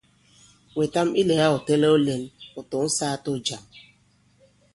Wɛ̀tam ilɛ̀ga ɔ̀ tɛlɛ̄w lɛ̌n, ɔ̀ tɔ̌ŋ sāā tɔ̀jàm.